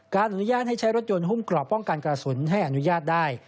อนุญาตให้ใช้รถยนต์หุ้มกรอบป้องกันกระสุนให้อนุญาตได้